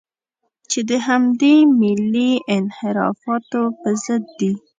چې د همدې ملي انحرافاتو په ضد دي.